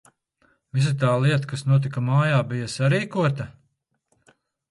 Visa tā lieta, kas notika mājā, bija sarīkota?